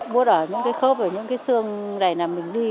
buốt ở những cái khớp và những cái xương này là mình đi